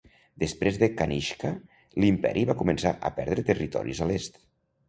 Després de Kanishka, l'imperi va començar a perdre territoris a l'est.